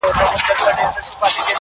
تر ابده له دې ښاره سو بېزاره!!